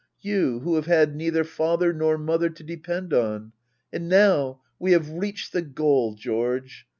You, who have had neither father nor mother to depend on. And now we have reached the goal, George